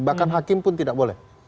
bahkan hakim pun tidak boleh